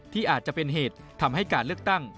ที่อาจจะเป็นเหตุทำให้การเลือกตั้ง